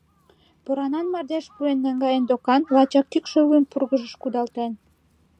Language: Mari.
Поранан мардеж пуэн наҥгаен докан, лачак кӱкшӧ лум пургыжыш кудалтен.